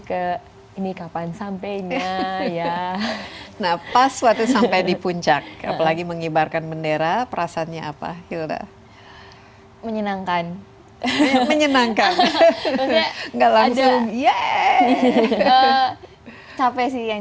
ke ini kapan sampai ini ya nah pas waktu sampai di puncak apalagi mengibarkan bendera perasaannya